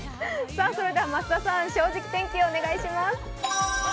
それでは増田さん、正直天気をお願いします。